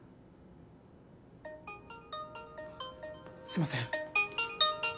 すいません。